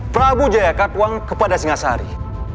prabu jaya katuak kepada singasari